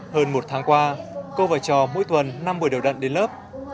hơn một tháng qua cô và chò mỗi tuần năm buổi đầu đặn đến lớp